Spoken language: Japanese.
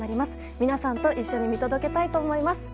皆さんと一緒に見届けたいと思います。